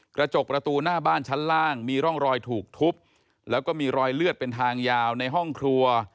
กระจกประตูหน้าบ้านชั้นล่างมีร่องรอยถูกทุบแล้วก็มีรอยเลือดเป็นทางยาวในห้องครัว